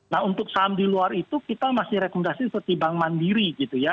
nah untuk saham di luar itu kita masih rekomendasi seperti bank mandiri gitu ya